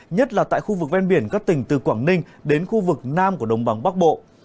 nhất là tại khu vực ven biển các tỉnh từ quảng ninh đến khu vực nam của đông bằng bắc bộ